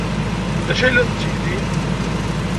D acu ay tella tetteg din?